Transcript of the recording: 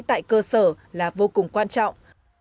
tại cơ sở là vô cùng quan trọng